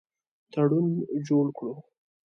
تړون جوړ کړو.